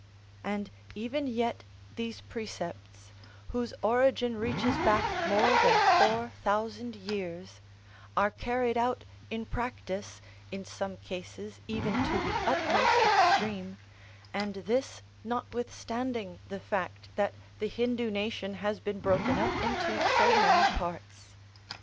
And even yet these precepts, whose origin reaches back more than four thousand years, are carried out in practice, in some cases even to the utmost extreme,(86) and this notwithstanding the fact that the Hindu nation has been broken up into so many parts.